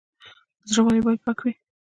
زړه ولې باید پاک وي؟